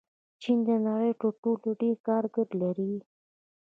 چین د نړۍ تر ټولو ډېر کارګر لري.